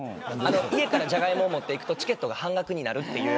家からジャガイモを持っていくとチケットが半額になるという。